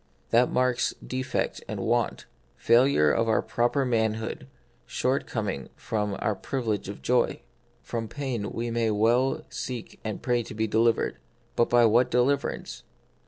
That marks defect and want, fail ure of our proper manhood, shortcoming from our privilege of joy. From pain we may well seek and pray to be delivered ; but by what deliverance